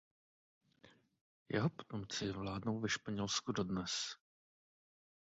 Jeho potomci vládnou ve Španělsku dodnes.